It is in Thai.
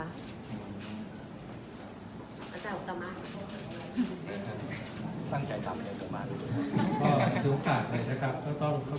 อาจารย์อุตตามมา